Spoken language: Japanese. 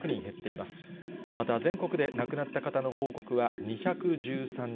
また全国で亡くなった方の報告は２１３人。